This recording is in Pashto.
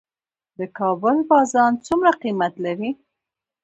د کابل بازان څومره قیمت لري؟